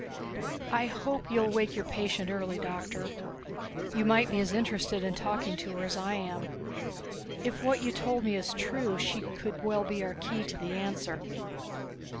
"I hope you'll wake your patient early, Doctor. You might be as interested in talking to her as I am. If what you told me is true, she could well be our key to the answer.